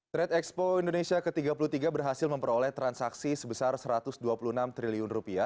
trade expo indonesia ke tiga puluh tiga berhasil memperoleh transaksi sebesar rp satu ratus dua puluh enam triliun